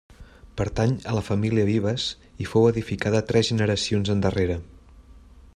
Pertany a la família Vives i fou edificada tres generacions endarrere.